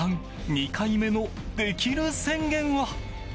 ２回目のできる宣言は。